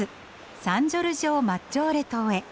サン・ジョルジョ・マッジョーレ島へ。